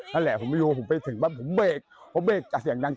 นั่นแหละผมไปถึงบ้านผมเบรกมันเบรกกับเสียงดัง